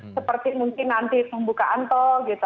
seperti mungkin nanti pembukaan tol gitu